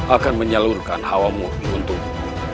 akan menyalurkan hawa mu untukmu